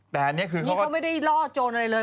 แต่อันนี้คือนี่เขาไม่ได้ล่อโจรอะไรเลย